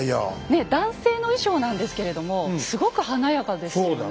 ねえ男性の衣装なんですけれどもすごく華やかですよね。